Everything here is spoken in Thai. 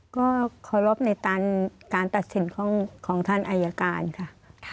ก็เคารพในการตัดสินของท่านอายการค่ะ